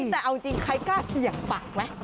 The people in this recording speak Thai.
แต่เอาจริงใครกล้าเสี่ยงปากไหม